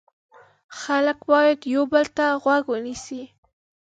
خلک باید یو بل ته غوږ ونیسي.